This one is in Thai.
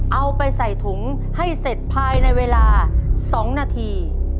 เอาไปใส่ถุงให้เสร็จภายในเวลา๒นาที